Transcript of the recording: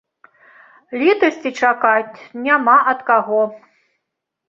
Літасці чакаць няма ад каго.